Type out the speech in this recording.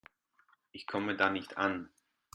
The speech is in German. Ich komme da nicht an.